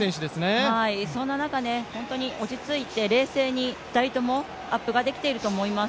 そんな中、本当に落ち着いて冷静に２人とも、アップができていると思います。